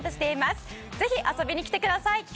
ぜひ遊びに来てください。